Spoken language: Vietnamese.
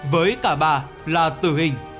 với cả ba là tử hình